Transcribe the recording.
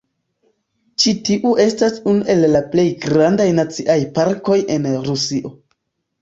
Ĉi tiu estas unu el la plej grandaj naciaj parkoj en Rusio.